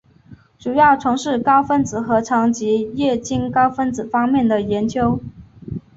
主要从事高分子合成及液晶高分子方面的研究。